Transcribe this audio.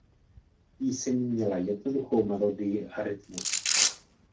Píseň měla jednoduchou melodii a rytmus.